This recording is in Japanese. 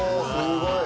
すごい。